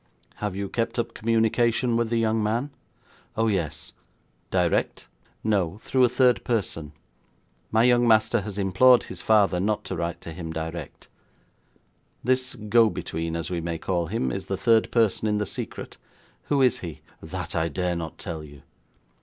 'Have you kept up communication with the young man?' 'Oh, yes.' 'Direct?' 'No; through a third person. My young master has implored his father not to write to him direct.' 'This go between, as we may call him, is the third person in the secret? Who is he?' 'That I dare not tell you!'